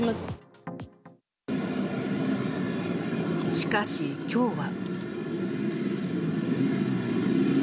しかし、今日は。